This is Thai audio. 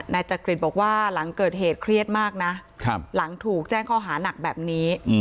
จักริตบอกว่าหลังเกิดเหตุเครียดมากนะหลังถูกแจ้งข้อหานักแบบนี้